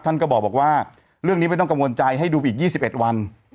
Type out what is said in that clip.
ท่านก็บอกว่าเรื่องนี้ไม่ต้องกังวลใจให้ดูไปอีก๒๑วัน